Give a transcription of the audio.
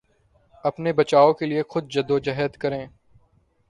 اپنے بچاؤ کے لیے خود جدوجہد کریں